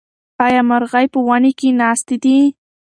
ایا مرغۍ په ونې کې ناستې دي؟